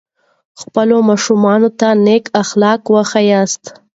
خپلو ماشومانو ته نیک اخلاق وښایاست.